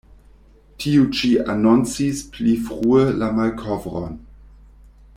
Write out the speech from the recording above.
Tiu-ĉi anoncis pli frue la malkovron.